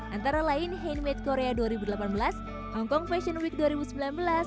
antara lain handmade korea dua ribu delapan belas hongkong fashion week dua ribu sembilan belas